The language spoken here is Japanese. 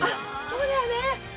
そうだよね。